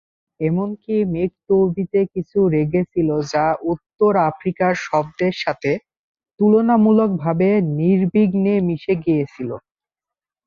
এমনকি "মেকতৌবি"-তে কিছু রেগে ছিল, যা উত্তর আফ্রিকার শব্দের সাথে তুলনামূলকভাবে নির্বিঘ্নে মিশে গিয়েছিল।